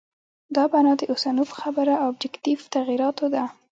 دا بنا د اوسنو په خبره آبجکټیف تغییراتو ده.